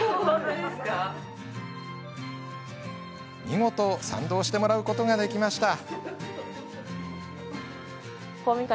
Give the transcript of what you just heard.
見事、賛同してもらうことができました。